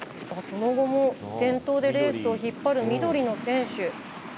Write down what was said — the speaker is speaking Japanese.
その後も先頭でレースを引っ張る緑の選手。